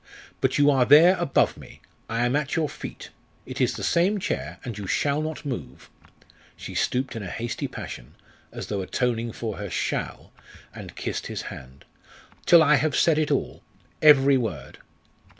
But you are there above me I am at your feet it is the same chair, and you shall not move" she stooped in a hasty passion, as though atoning for her "shall," and kissed his hand "till I have said it all every word!"